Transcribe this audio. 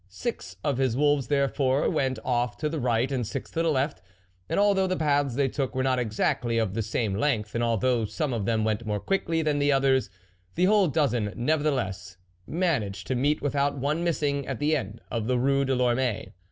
Six of his wolves, therefore, went off to the right, and six to the left, and although the paths they took were not exactly of the same length, and although some of them went more quickly than the others, the whole dozen nevertheless managed to meet, without one missing, at the end of the Rue de Lormet.